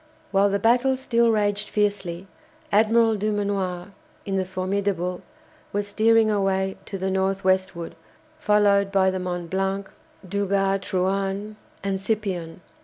While the battle still raged fiercely, Admiral Dumanoir, in the "Formidable," was steering away to the north westward, followed by the "Mont Blanc," "Duguay Trouin," and "Scipion."